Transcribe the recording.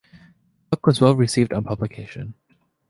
The book was well-received on publication.